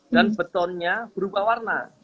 dan betonnya berubah warna